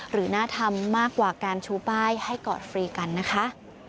หรือน่าทำมากกว่าการชูป้ายให้กอดฟรีกันนะคะ